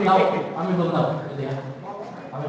dari anggota dpr ri